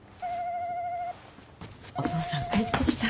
お父さん帰ってきた。